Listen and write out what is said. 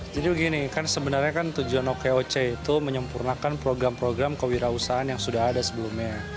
jadi begini kan sebenarnya tujuan oke oce itu menyempurnakan program program kewirausahaan yang sudah ada sebelumnya